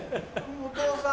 お父さん。